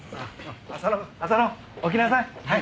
浅野浅野起きなさい。